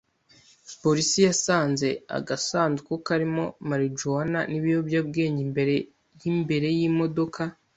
Polisi yasanze agasanduku karimo marijuwana n’ibiyobyabwenge imbere y’imbere y’imodoka